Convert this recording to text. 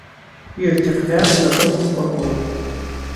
Ёсць ахвяры з абодвух бакоў.